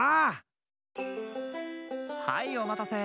はいおまたせ！